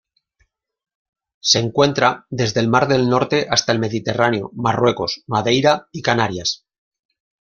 Se encuentra desde el mar del Norte hasta el Mediterráneo Marruecos, Madeira y Canarias.